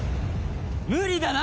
無理だな！